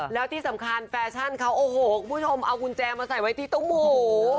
แล้วที่สำคัญแฟชั่นเขาโอ้โหคุณผู้ชมเอากุญแจมาใส่ไว้ที่โต๊ะหมู